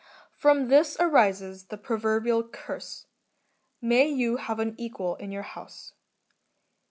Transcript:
From this arises the proverbial curse, " May you have an equal in your house."